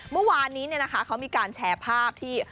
เมื่อวานี้เนี่ยนะคะเขามีการแชร์ภาพที่